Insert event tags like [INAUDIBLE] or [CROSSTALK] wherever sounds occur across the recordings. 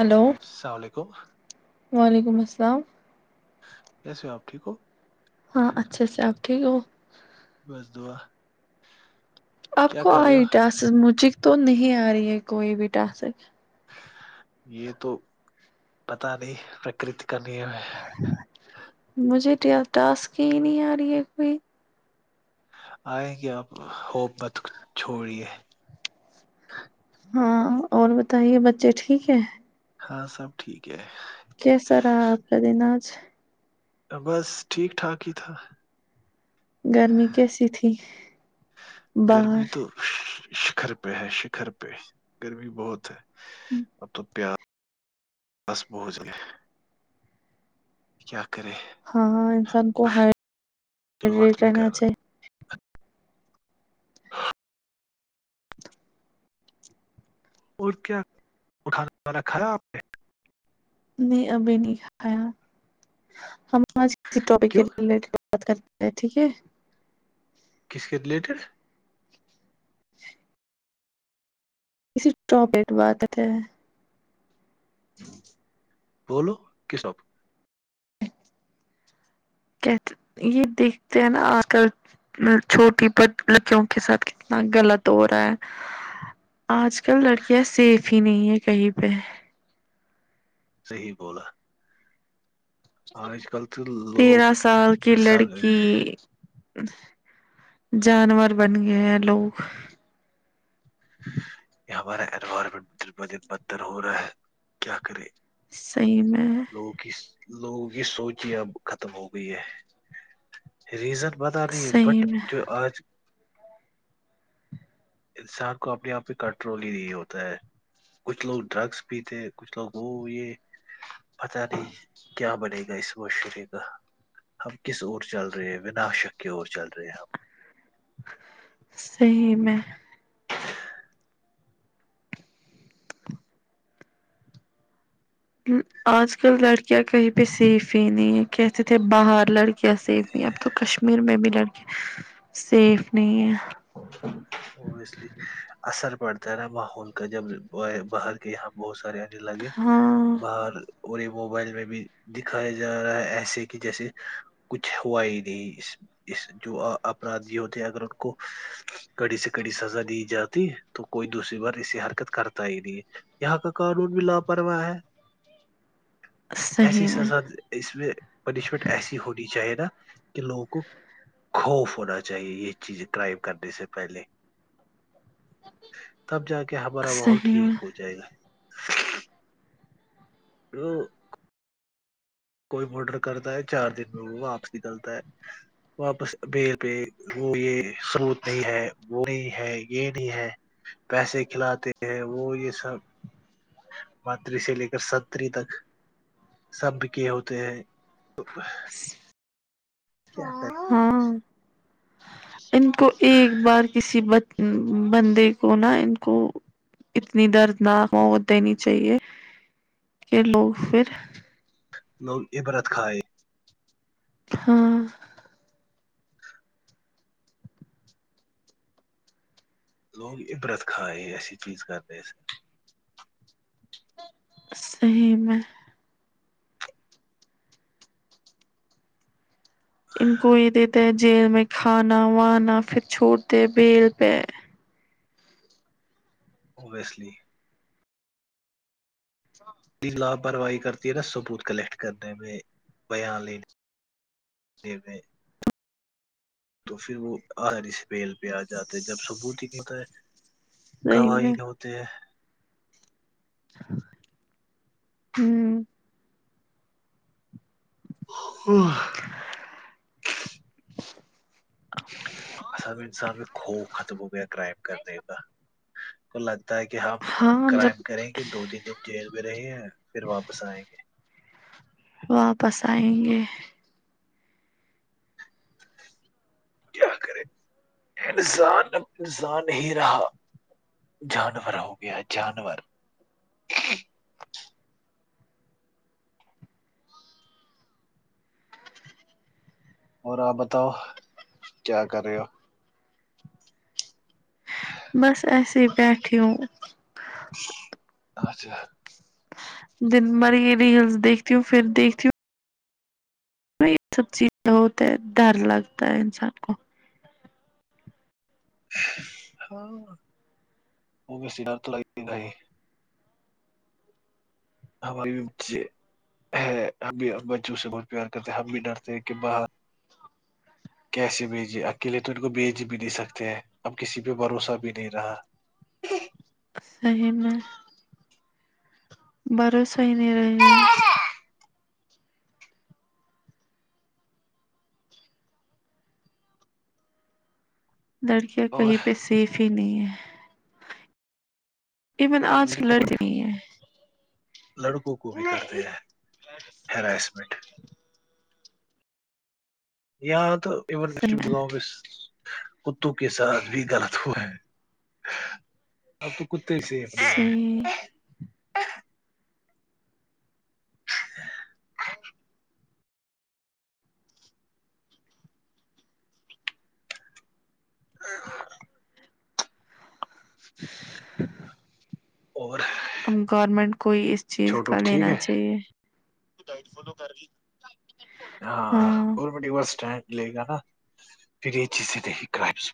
Hello سالےکوم وعلیکم السلام کیسے ہو آپ ٹھیک ہو ہاں اچھے سے آپ ٹھیک ہو بس دعا آپ کیا کو کر رہے ہو آئی ٹاس مجھے تو نہیں آ رہی ہے کوئی بھی ٹاسک یہ تو پتا نہیں پرکرت کا نیم ہے مجھے ٹاسک ہی نہیں آ رہی ہے کوئی آئیں گے آپ ہوپ مت چھوڑیے ہاں اور بتائیے بچے ٹھیک ہے ہاں سب ٹھیک ہے کیسا رہا آپ کا دن آج بس ٹھیک ٹھاک ہی تھا گرمی کیسی تھی گرمی باہر تو شکہر پہ ہے شکہر پہ گرمی بہت ہے اب تو پیاس بس بوجھ ہے کیا کرے ہاں ہاں انسان کو چلو ہاڈریٹ وقت میں رہنا کر رہا۔ چاہیے [UNINTELLIGIBLE] اور کیا اٹھانے والا کھایا ہے آپ نے نہیں ابھی نہیں کھایا ہم آج کسی ٹاپک کے کیوں ریلیٹڈ بات کرتے ہیں ٹھیک ہے کس کے ریلیٹڈ اس ٹاپک بات کرتےہے بولو کیس ٹاپ کہ یہ دیکھتے ہیں نا آکر چھوٹی بچیوں کے ساتھ کتنا غلط ہو رہا ہے آج کل لڑکیاں سیف ہی نہیں ہے کہیں پہ صحیح بولا آج کل تو تیرہ لوگ سال کی انسان لڑکی جانور بن گئے ہیں لوگ یہ ہمارا انوائرمنٹ دن بہ دن بدتر ہو رہا ہے کیا کرے صحیح میں ہے لوگوں کی لوگوں کی سوچ ہی اب ختم ہو گئی ہے ریزن پتہ نہیں ہے بٹ صحیح میں جو آج انسان کو اپنے آپ میں کنٹرول ہی نہیں ہوتا ہے کچھ لوگ ڈرگس پیتے کچھ لوگ وہ یہ پتا نہیں کیا بنے گا اس معاشرے کا ہم کس اور چل رہے وناشک کی اور چل رہے ہم صحیح میں آج کل لڑکیاں کہیں پہ سیف ہی نہیں ہے کہتے تھے باہر لڑکے کیا سیف نہیں اب ہم تو کشمیر میں بھی لڑکیاں سیف نہیں ہیں وہ اس لیے اثر پڑتا ہے نا ماحول کا جب باہر کہ یہاں بہت سارے انٹل لگے ہاں باہر وہی موبائل میں بھی دکھایا جا رہا ہے ایسے کہ جیسے کچھ ہوا ہی نہیں اس جو اپرادھی ہوتے اگر ان کو کڑی سے کڑی سزا دی جاتی تو کوئی دوسری بار ایسی حرکت کرتا ہی نہیں ہے یہاں کا قانون بھی لاپرواہ ہے ایسی صحیح میں سزا اس میں پنشمنٹ ایسی ہونی چاہیے نا کہ لوگوں کو خوف ہونا چاہیے یہ چیزیں ڈرائیو کرنے سے پہلے تب جا کے ہمارا ماحول صحیح میں ٹھیک ہو جائے گا وہ کوئی مادر کرتا ہے چار دن میں وہ واپس نکلتا ہے واپس ابیر پہ وہ یہ خروط نہیں ہے وہ نہیں ہے یہ نہیں ہے پیسے کھلاتے ہیں وہ یہ سب منتری سے لے کر ستری تک سب بکے ہوتے ہیں [UNINTELLIGIBLE] کیا ہاں ان کو ایک بار کسی بندے کو نا ان کو اتنی دردناک موت دینی چاہیے کہ لوگ پھر لوگ عبرت کھائے ہاں لوگ عبرت کھائے ہیں ایسی چیز کرنے سے صحیح میں ان کو یہ دیتے ہے جیل میں کھانا وانا پھر چھوڑتے بیل پہ وہ اس لیے لاپرواہی کرتی ہے نا ثبوت کلیکٹ کرنے میں بیان لینے دینے تو پھر وہ آس بیل پہ آ جاتے ہے جب ثبوت ہی کہتا ہے صحیح میں گواہین ہوتے ہیں ہوں و اصل میں انسان میں قوف ختم ہو گیا کرائم کرنے کا کو لگتا ہے کہ ہم ہاں جب کرائم کریں گے دو تین دن جیل میں رہی ہیں پھر واپس آئیں گے واپس آئیں گے کیا کرے انسان انسان نہیں رہا جانور ہو گیا ہے جانور اور آپ بتاؤ کیا کر رہے ہو بس ایسے ہی بیٹی ہوں اچھا دن بر یہ ریلس دیکتی ہوں پھر دیکھتی ہوں میں یہ سب چیزیں ہوتے ہیں ڈر لگتا ہے انسان کو ہاں وہ سدھا تو لگے گا ہی ہاں معلوم کیے ہے ہم بھی بچوں سے بہت پیار کرتے ہم بھی ڈرتے کہ با کیسے بھیجے اکیلے تو ان کو بھیج بھی نہیں سکتے ہیں اب کسی پہ بھروسہ بھی نہیں رہا صحیح میں بھروسہ ہی نہیں رہے گا لڑکیاں اور کہیں پہ سیف ہی نہیں ہیں ایون ارے آج کی لڑکیاں لڑکی نہیں ہے لڑکوں کو بھی کرتے ہیں ہرائسمنٹ یہاں تو اون صحیح میں [UNINTELLIGIBLE] کتوں کے ساتھ بھی غلط ہورہا ہے یہاں تو کتے سیف نہیں ہے صحیح اور گورنمنٹ کو ہی اس چیز چھوٹو کا ٹھیک لینا ہے چاہیے ہاں گورنمنٹ ہی بس اسٹینڈ لے گا نا پھر یہ چیزیں نہیں کرائمز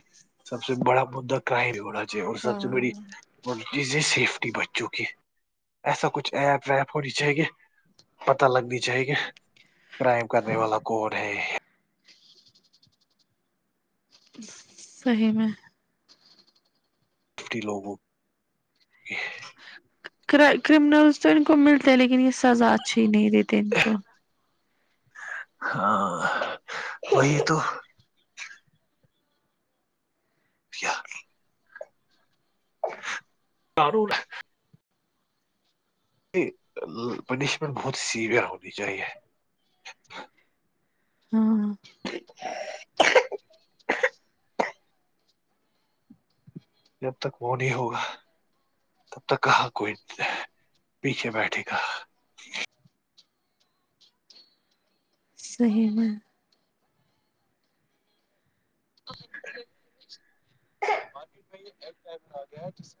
[UNINTELLIGIBLE] سب سے بڑا مدہ کرائم ہو نا چاہیے اور سب سے ہاں بڑی اور جزے سیفٹی بچوں کی ایسا کچھ ایپ ویپ ہونی چاہیے پتا لگنی چاہیے کے کرائم کرنے والا کون ہے صحیح میں فری لوگوں کی کرمنلس تو ان کو ملتے ہیں لیکن یہ سزا اچھی ہی نہیں دیتے ان کو ہاں وہی تو قانون پنشمنٹ بہت سیوئر ہونی چاہیے ھمم [INAUDIBLE] جب تک وہ نہیں ہوگا تب تک کہاں کوئی پیچھے بیٹھے گا صحیح میں مارکیٹ میں یہ [UNINTELLIGIBLE] آ گیا ہے جس سے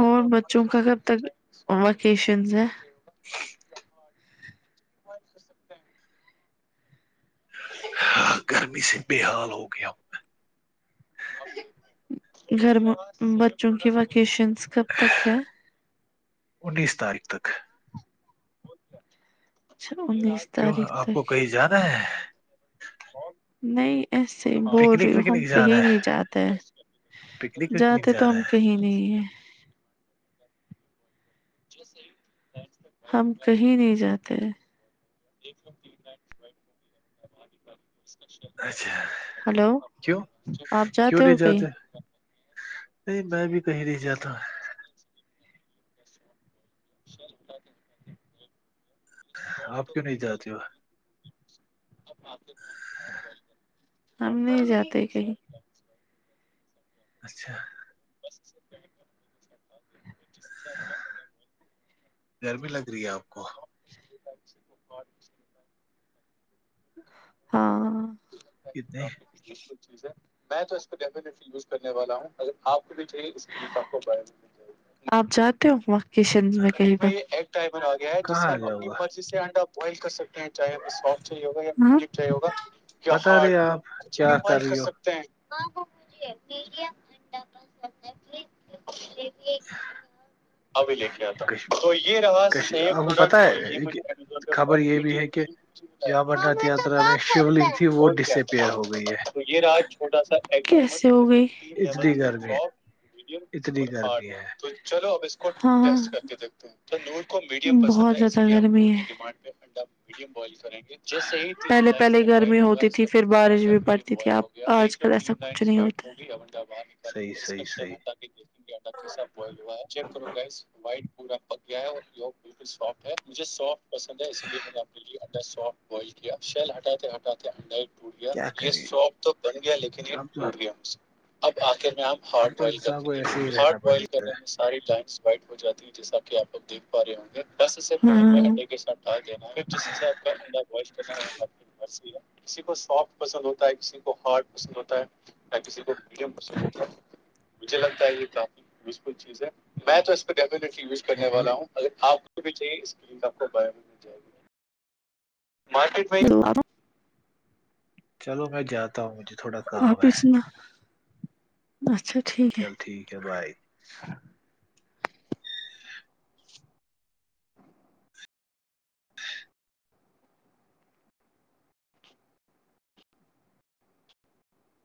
اور بچوں کا کب تک ویکیشن ہے گرمی سے بےحال ہو گیا گھر میں بچوں کی ویکیشنس کب تک ہے انیس تاریخ تک اچھا کیوں تاریخ آپ کو تک کہیں جانا ہے نہیں ایسے ہی بول پکنک رہی ہو ہم وکنک جانا کہیں ہے نہیں جاتے ہیں پکنک وکنک جاتے تو جانا ہم کہیں نہیں ہیں ہم کہیں نہیں جاتے ہے ایک سو تین لاک اچھا ہلو کیوں آپ کیوں نے ہو کہیں جاتے نہیں میں بھی کہیں نہیں جاتا [INAUDIBLE] آپ کیوں نہیں جاتی ہو ہم نہیں جاتے کہیں اچھا [UNINTELLIGIBLE] گرمی لگ رہی ہے آپ کو ہاں کتنے [INAUDIBLE] میں تو اس کو ڈیفٹلی یزنے والا ہوں اگر آپ کو بھی چاہیے اسیے اپ جاتے ہو وکیشنس کہی پر کہاں آ جاؤ گا بوائل کر سکتے ہیں چاہے ہمیں ساف چاہیے چاہی ہوگا کیا پتا نہیں ہارڈ آپ کچھ کیا بھی پائی کر رہی ہو سکتے ہیں [UNINTELLIGIBLE] اویلے کیا تھا تو یہ رہا سیم آپ کو پروڈکٹ پتا اور یہ ہے مجھے امیزون پہ خبر ون یہ ای بھی ہے کہ جو امرناتھ یاترا میں شیولنگ تھی وہ ڈسپیئر ہو گئی ہے [UNINTELLIGIBLE] یہ راج چھوٹا سا کیسے ہو گئی اتنی لیولس ہیں گرمی ہے سافٹ میڈیم اور اتنی ہارڈ گرمی ہے تو چلو اب اس کو ہاں بہت زیادہ گرمی ہے میڈیم بوائل کریں گے پہلے پہلے گرمی ہوتی تھی پھر بارش بھی پڑتی تھی اب آج کل ایسا کچھ نہیں ہوتا بھی انڈا باہر نکالیں صحیح گے اور اس کا صحیح شل صحیح آٹا کے دیکھ گے آٹا کیسا بوائل ہوا ہے گس وائٹ پورا پگیا ہے اور یگ بالکل سافٹ ہے مجھے سافٹ پسند ہے اس لیے میں نے اپنی انڈر سافٹ شیل ہٹاتے ہٹاتے انڈر ٹوٹ گیا کیا یہ کرے شاپ تو بن گیا لیکن یہ اب تو ٹوٹ گیا مجھ سے اب آخر میں آپ اب ہارڈ تو بوائل کر انسان کے کو ایسے دیکھ ہی ہارڈ رہنا بوائل پڑے کرنے میں ساری ٹائنس وائٹ ہو جاتی [UNINTELLIGIBLE] کسی کو سافٹ پسند ہوتا ہے کسی کو ہارڈ پسند ہوتا ہے کسی کو مجھے لگتا ہے یہ کافیکل چیز ہے میں تو اس کو ڈیفٹلی یوز کرنے والا اور ہوں اگر آپ کو بھی چاہے اس کا مارکیٹ میں چلو میں جاتا ہوں مجھے تھوڑا کام آپ ہے سنا اچھا ٹھیک ہے چل ٹھیک ہے بائے